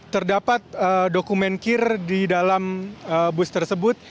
terdapat dokumen kir di dalam bus tersebut